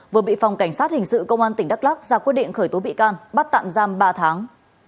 vừa bị phòng cảnh sát hình sự công an tỉnh đắk lắc ra quyết định khởi tố bị can bắt tạm giam ba tháng